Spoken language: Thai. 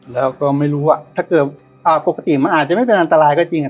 เราก็ไม่รู้อะถ้าเกิดอ่าปกติมันอาจจะไม่เป็นอันตรายก็จริงอะ